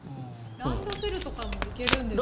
ランドセルもいけるんですかね。